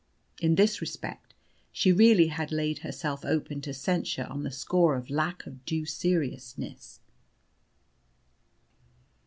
In this respect she really had laid herself open to censure on the score of lack of due seriousness.